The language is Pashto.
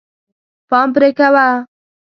پام پرې کوه.